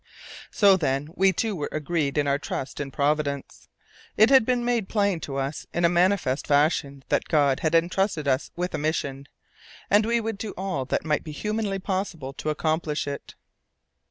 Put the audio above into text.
So then we two were agreed in our trust in Providence. It had been made plain to us in a manifest fashion that God had entrusted us with a mission, and we would do all that might be humanly possible to accomplish it.